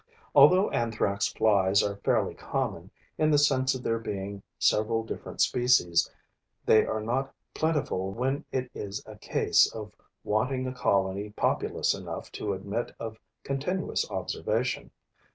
Although Anthrax flies are fairly common, in the sense of there being several different species, they are not plentiful when it is a case of wanting a colony populous enough to admit of continuous observation.